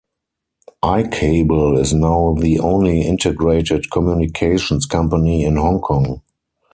I-Cable is now the only integrated communications company in Hong Kong.